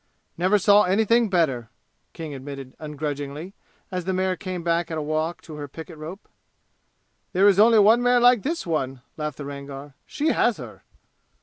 "Never saw anything better," King admitted ungrudgingly, as the mare came back at a walk to her picket rope. "There is only one mare like this one," laughed the Rangar. "She has her."